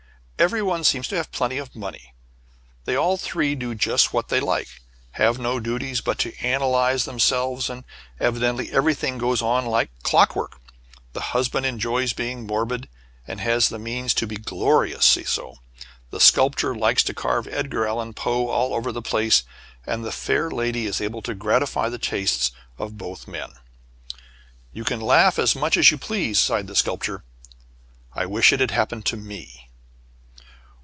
Every one seems to have plenty of money. They all three do just what they like, have no duties but to analyze themselves, and evidently everything goes like clockwork. The husband enjoys being morbid, and has the means to be gloriously so. The sculptor likes to carve Edgar Allan Poe all over the place, and the fair lady is able to gratify the tastes of both men." "You can laugh as much as you please," sighed the Sculptor, "I wish it had happened to me."